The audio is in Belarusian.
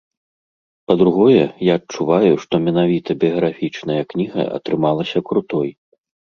Па-другое, я адчуваю, што менавіта біяграфічная кніга атрымалася крутой.